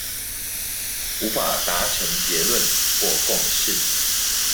無法達成結論或共識